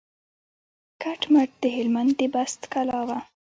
کټ مټ د هلمند د بست کلا وه.